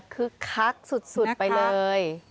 คักสุดไปเลย